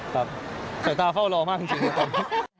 ครับใส่ตาเฝ้ารอมากจริง